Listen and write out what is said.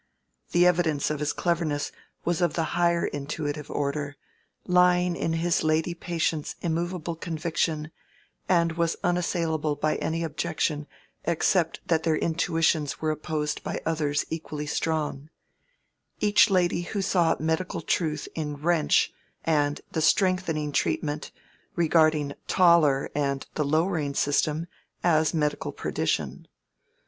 The evidence of his cleverness was of the higher intuitive order, lying in his lady patients' immovable conviction, and was unassailable by any objection except that their intuitions were opposed by others equally strong; each lady who saw medical truth in Wrench and "the strengthening treatment" regarding Toller and "the lowering system" as medical perdition.